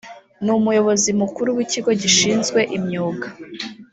ni umuyobozi mukuru w ikigo gishinzwe imyuga